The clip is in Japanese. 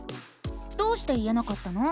どうして言えなかったの？